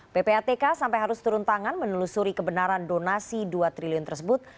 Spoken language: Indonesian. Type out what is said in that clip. ppatk sampai harus turun tangan menelusuri kebenaran donasi dua triliun tersebut